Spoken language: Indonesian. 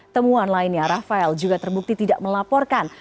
temuan lainnya rafael juga terbukti tidak melaporkan